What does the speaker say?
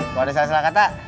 kalau ada salah salah kata